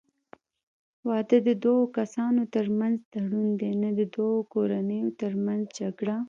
واده د دوه کسانو ترمنځ تړون دی، نه د دوو کورنیو ترمنځ جګړه.